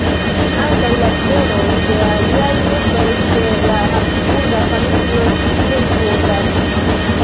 Ankaŭ la koroj de aliaj membroj de la habsburga familio ĉi tie ripozas.